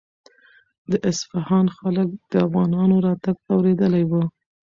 د اصفهان خلک د افغانانو راتګ اورېدلی و.